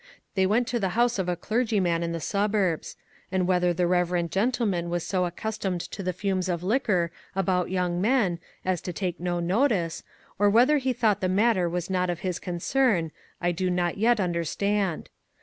They went to the house of a clergyman in the suburbs; and whether the reverend gentleman was so accustomed to the fumes of liquor about young men as to take no notice, or "Whether he thought the matter was not of his concern, I do not yet understand.